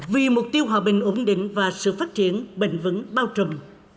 vì mục tiêu hòa bình ổn định và sự phát triển bền vững bao trùm